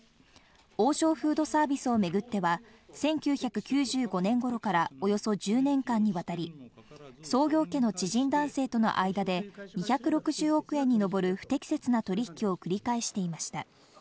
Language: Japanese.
王将フードサービスをめぐっては、１９９５年ごろからおよそ１０年間にわたり、創業家の知人男性との間で、２６０億円にのぼる不適切な取引を繰り返していました。